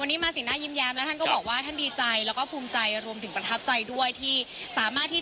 วันนี้มาสีหน้ายิ้มแย้มแล้วท่านก็บอกว่าท่านดีใจแล้วก็ภูมิใจรวมถึงประทับใจด้วยที่สามารถที่